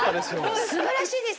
素晴らしいです